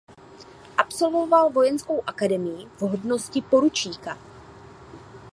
Absolvoval vojenskou akademii v hodnosti poručíka.